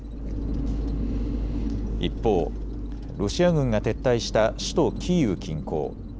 一方、ロシア軍が撤退した首都キーウ近郊。